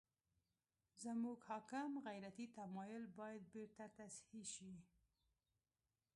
زموږ حاکم غیرتي تمایل باید بېرته تصحیح شي.